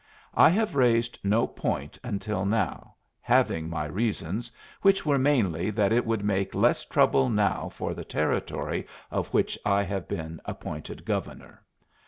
I have raised no point until now, having my reasons, which were mainly that it would make less trouble now for the Territory of which I have been appointed Governor.